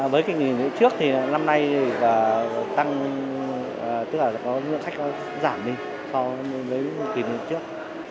với kỳ nghị trước thì năm nay tăng tức là lượng khách giảm đi so với kỳ nghị trước